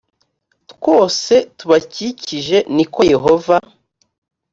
twose tubakikije ni ko yehova